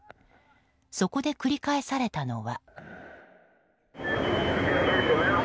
そこで繰り返されたのが。